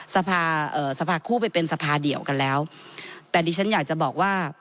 สภาเอ่อสภาคู่ไปเป็นสภาเดียวกันแล้วแต่ดิฉันอยากจะบอกว่า